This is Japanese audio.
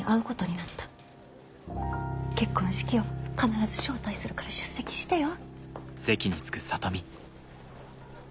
結婚式よ必ず招待するから出席してよ。